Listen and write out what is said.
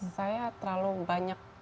saya terlalu banyak